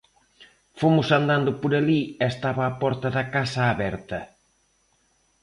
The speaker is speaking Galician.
Fomos andando por alí e estaba a porta da casa aberta.